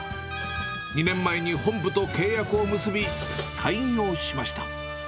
２年前に本部と契約を結び、開業しました。